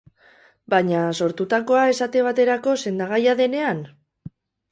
Baina, sortutakoa, esate baterako, sendagaia denean?